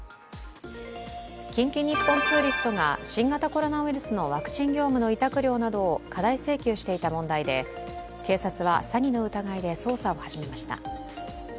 近畿日本ツーリストが新型コロナウイルスのワクチン業務の委託料などを過大請求していた問題で警察は詐欺の疑いで捜査を始めました。